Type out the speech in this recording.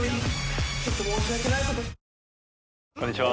こんにちは。